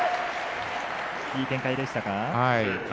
いい展開でしたか。